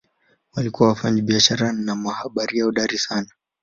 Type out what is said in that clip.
Walikuwa wafanyabiashara na mabaharia hodari sana.